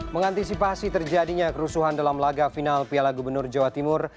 mengantisipasi terjadinya kerusuhan dalam laga final piala gubernur jawa timur